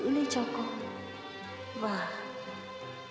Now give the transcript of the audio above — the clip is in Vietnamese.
em nghe như tiếng ân từ nề hành quần xa